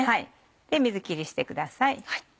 水切りしてください。